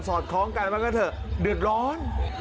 อดคล้องกันว่าก็เถอะเดือดร้อน